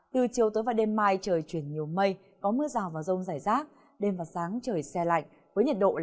từ chiều tới vào đêm mai trời chuyển nhiều mây có mưa rào và rông rải rác đêm và sáng trời xe lạnh với nhiệt độ là từ hai mươi một đến ba mươi một độ